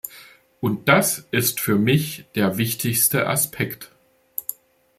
Und das ist für mich der wichtigste Aspekt.